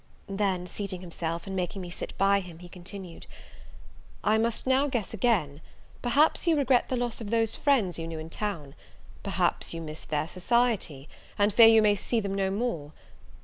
Then, seating himself, and making me sit by him, he continued, "I must now guess again: perhaps you regret the loss of those friends you knew in town; perhaps you miss their society, and fear you may see them no more?